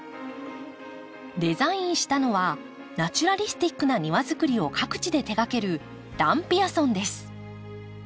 デザインしたのはナチュラリスティックな庭づくりを各地で手がけるダン・ピアソンです。